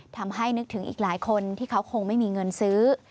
ทำให้นึกถึงอีกหลายคนที่เขาคงไม่มีเงินซื้อ